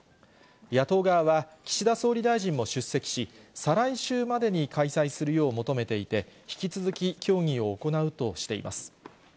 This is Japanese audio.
野党側は、岸田総理大臣も出席し、再来週までに開催するよう求めていて、引き続き協議を行うとしています。